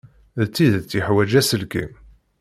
D tidet yeḥwaj aselkim.